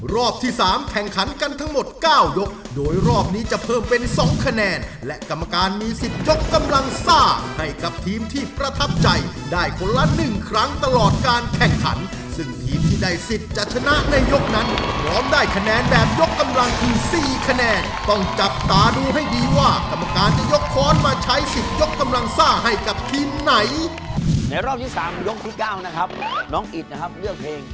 รอบที่สามแข่งขันกันทั้งหมดเก้ายกโดยรอบนี้จะเพิ่มเป็นสองคะแนนและกรรมการมีสิทธิ์ยกกำลังซ่าให้กับทีมที่ประทับใจได้คนละหนึ่งครั้งตลอดการแข่งขันซึ่งทีมที่ได้สิทธิ์จะชนะในยกนั้นพร้อมได้คะแนนแบบยกกำลังที่สี่คะแนนต้องจับตาดูให้ดีว่ากรรมการจะยกคอนมาใช้สิทธิ์ยกกำลังซ่าให้